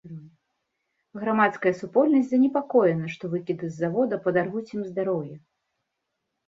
Грамадская супольнасць занепакоена, што выкіды з завода падарвуць ім здароўе.